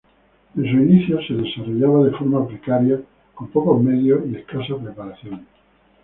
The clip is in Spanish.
En sus inicios se desarrollaba de forma precaria, con pocos medios y escasa preparación.